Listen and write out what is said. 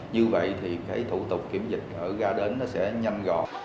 như vậy thì thủ tục kiểm dịch ở ga đến sẽ nhanh gọn